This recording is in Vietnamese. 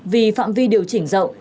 vì phạm vi điều chỉnh rộng